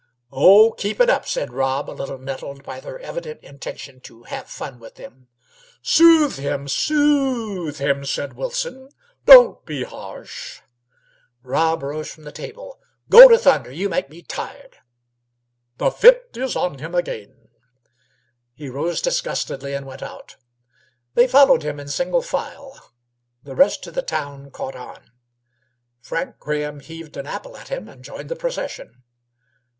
"Oh, keep it up!" said Rob, a little nettled by their evident intention to have fun with him. "Soothe him soo o o o the him!" said Wilson. "Don't be harsh." Rob rose from the table. "Go to thunder! You fellows make me tired." "The fit is on him again!" He rose disgustedly and went out. They followed him in single file. The rest of the town "caught on." Frank Graham heaved an apple at him, and joined the procession.